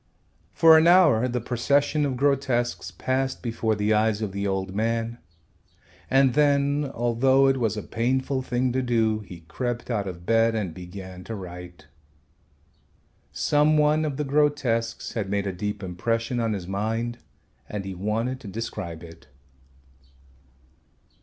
For an hour the procession of grotesques passed before the eyes of the old man, and then, although it was a painful thing to do, he crept out of bed and began to write. Some one of the grotesques had made a deep impression on his mind and he wanted to describe it.